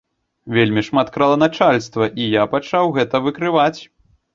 Вельмі шмат крала начальства, і я пачаў гэта выкрываць.